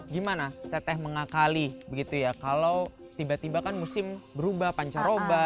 gimana teteh mengakali begitu ya kalau tiba tiba kan musim berubah pancaroba